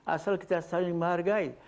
asal kita selalu menghargai